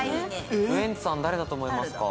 ウエンツさん誰だと思いますか？